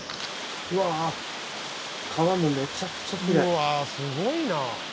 うわあすごいな。